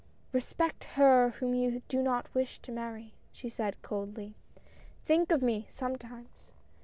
" Respect her whom you do not wish to marry," she said, coldly. " Think of me, sometimes.